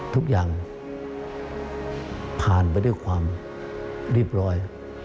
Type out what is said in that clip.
ทุกอย่างผ่านไปด้วยความเรียบร้อย